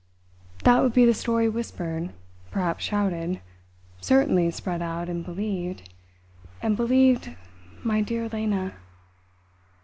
That would be the story whispered perhaps shouted certainly spread out, and believed and believed, my dear Lena!"